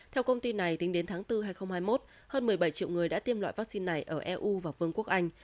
theo công ty này tính đến tháng bốn hai nghìn hai mươi một hơn một mươi bảy triệu người đã tiêm loại vaccine này ở eu và vương quốc anh